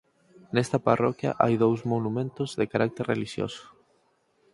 Nesta parroquia hai dous monumentos de carácter relixioso.